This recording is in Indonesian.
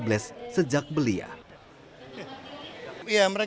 maka huruf vape adalah orang luar biasa